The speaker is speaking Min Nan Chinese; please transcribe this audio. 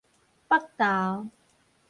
北投